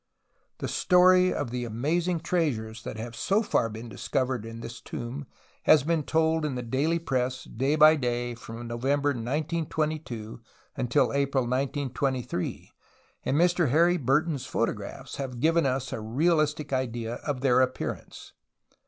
The story of the amazing treasures that have so far been discovered in the tomb has been told in the daily press day by day from November 1922 until April 1923, and Mr Harry Burton's photographs have given us a realistic idea of their appearance.